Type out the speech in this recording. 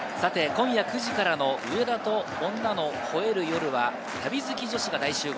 今夜９時からの『上田と女が吠える夜』は旅好き女子が大集合。